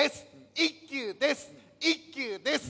一休です